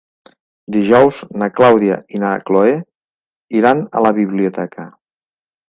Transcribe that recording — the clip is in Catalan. Dijous na Clàudia i na Cloè iran a la biblioteca.